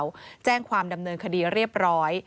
แล้วแจ้งความดำเนินคดีเรียบร้อย